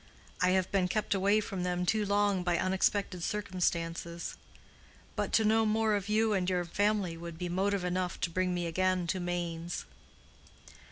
I have been kept away from them too long by unexpected circumstances. But to know more of you and your family would be motive enough to bring me again to Mainz."